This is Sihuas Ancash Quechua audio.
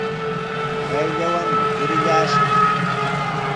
Payllawanmi purillashaq.